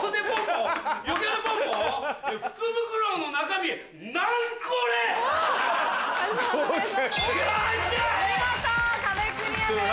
見事壁クリアです。